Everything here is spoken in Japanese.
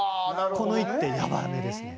この一手やばめですね。